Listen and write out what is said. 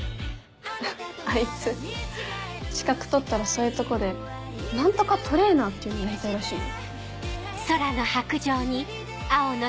あいつ資格取ったらそういうとこで何とかトレーナーっていうのやりたいらしいよ。